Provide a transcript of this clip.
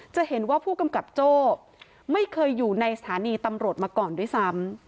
จะเห็นว่าผู้กำกับโจ้ไม่เคยอยู่ในสถานีตำรวจมาก่อนด้วยซ้ำ